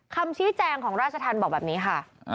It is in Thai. คำชี้แจงของราชธรรมบอกแบบนี้ค่ะ